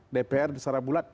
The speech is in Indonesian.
dpr diserah bulat